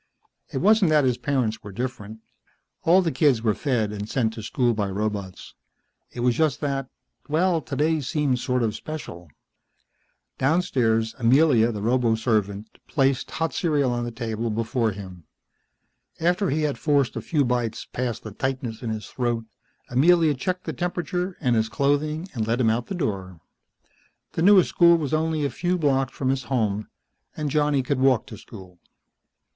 It wasn't that his parents were different. All the kids were fed and sent to school by robots. It was just that well today seemed sort of special. Downstairs Amelia, the roboservant, placed hot cereal on the table before him. After he had forced a few bites past the tightness in his throat, Amelia checked the temperature and his clothing and let him out the door. The newest school was only a few blocks from his home, and Johnny could walk to school.